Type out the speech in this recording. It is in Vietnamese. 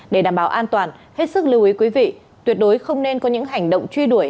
để đảm bảo an toàn hết sức lưu ý quý vị tuyệt đối không nên có những hành động truy đuổi